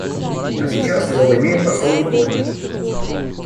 А сейчас слово имеет посол Японии.